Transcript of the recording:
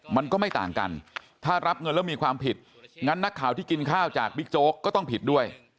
มันก็ไม่ต่างกันถ้ารับเงินแล้วมีความผิดงั้นนักข่าวที่กินข้าวจากบิ๊กโจ๊กก็ต้องผิดด้วย